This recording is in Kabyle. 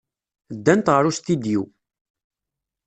Ddant ɣer ustidyu.